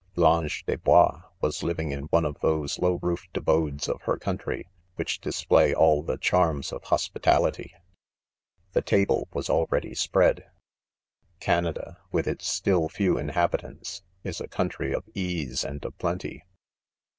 —•" L'ange des hois" was living in one of those low roofed abodes of her country, which dis play all the charms of hospitality. • c The table was already spread. Canada, with its still few inhabitants, is a country of ease and of j>lenty.